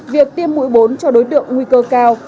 việc tiêm mũi bốn cho đối tượng nguy cơ cao